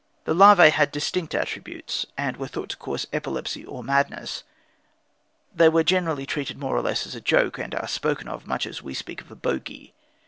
The Larvæ had distinct attributes, and were thought to cause epilepsy or madness. They were generally treated more or less as a joke, and are spoken of much as we speak of a bogey.